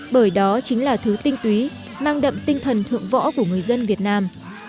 bởi đó chính là thứ tinh túy mang đậm tinh thần thượng võ của người dân việt nam